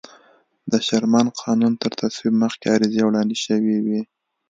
د شرمن قانون تر تصویب مخکې عریضې وړاندې شوې وې.